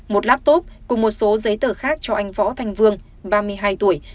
một laptop cùng một số giấy tờ khác cho anh võ thành vương ba mươi hai tuổi